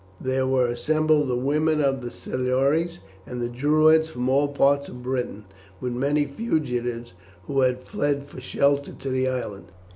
There were assembled the women of the Silures and the Druids from all parts of Britain, with many fugitives who had fled for shelter to the island.